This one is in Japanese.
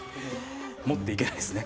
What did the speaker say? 持っていけないですね。